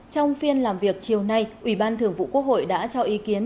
trong phiên làm việc chiều nay ủy ban thường vụ quốc hội đã cho ý kiến